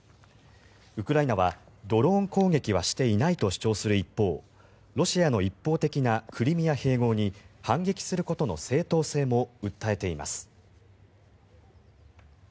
ウクライナはドローン攻撃はしていないと主張する一方ロシアの一方的なクリミア併合に反撃することの正当性も訴えています。